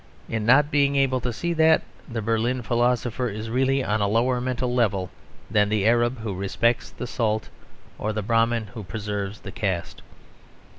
In not being able to see that, the Berlin philosopher is really on a lower mental level than the Arab who respects the salt, or the Brahmin who preserves the caste.